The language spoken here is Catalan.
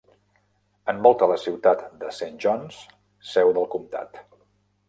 Envolta la ciutat de Saint Johns, seu del comtat.